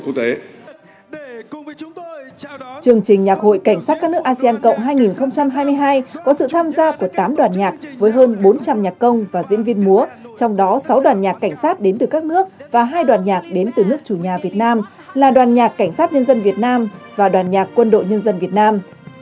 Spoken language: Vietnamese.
chương trình nhạc hội cảnh sát các nước asean cộng hai nghìn hai mươi hai có sự tham gia của tám đoàn nhạc với hơn bốn trăm linh nhạc công và diễn viên múa trong đó sáu đoàn nhạc cảnh sát đến từ các nước và hai đoàn nhạc đến từ nước chủ nhà việt nam là đoàn nhạc cảnh sát nhân dân việt nam và đoàn nhạc quân đội nhân dân việt nam